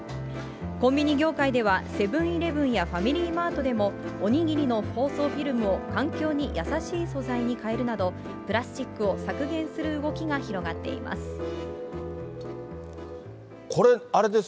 コンビニ業界では、セブンーイレブンやファミリーマートでも、おにぎりの包装フィルムを環境に優しい素材に変えるなど、プラスチックを削減する動きが広がっています。